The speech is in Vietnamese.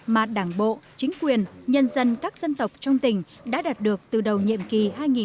mà đảng bộ chính quyền nhân dân các dân tộc trong tỉnh đã đạt được từ đầu nhiệm kỳ hai nghìn một mươi năm